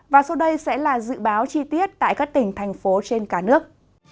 và sau đây sẽ là dự báo chi tiết tại các tỉnh thành phố trên cả nước